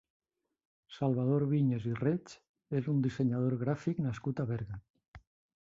Salvador Vinyes i Reig és un dissenyador gràfic nascut a Berga.